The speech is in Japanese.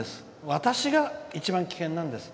私が一番危険なんです。